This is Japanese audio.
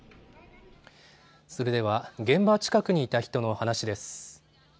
それでは現場近くにいた人の話です。